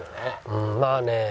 うんまあね。